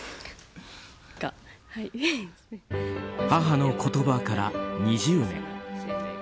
母の言葉から２０年。